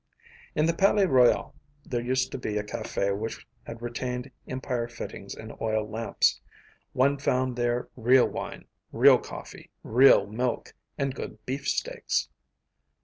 In the Palais Royal there used to be a café which had retained Empire fittings and oil lamps. One found there real wine, real coffee, real milk, and good beefsteaks.